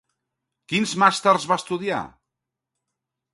Quins màsters va estudiar?